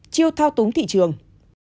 chiêu thao túng thị trường